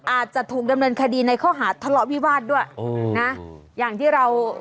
อาจจะถูกดำเนินคดีในข้อหาทะเลาะวิวาสด้วยนะอย่างที่เรา